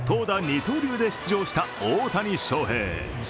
二刀流で出場した大谷翔平。